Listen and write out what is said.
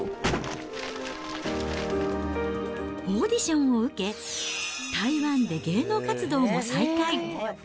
オーディションを受け、台湾で芸能活動も再開。